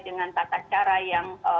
dengan tata cara yang